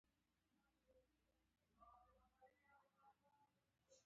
ستړی خو به نه یې.